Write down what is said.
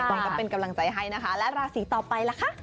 ก็เป็นกำลังใจให้นะคะและราศีต่อไปล่ะคะ